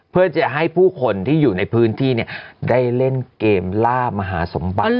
เพื่อจะให้ผู้คนที่อยู่ในพื้นที่ได้เล่นเกมล่ามหาสมบัติ